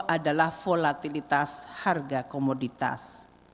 adalah volatilitas harga komoditas